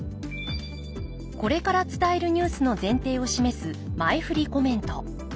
これから伝えるニュースの前提を示す前振りコメント。